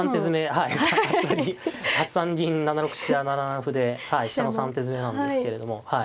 はい８三銀７六飛車７七歩で飛車の３手詰めなんですけれども。